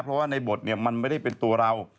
เพราะว่าในบทมันไม่ได้เป็นตัวเรา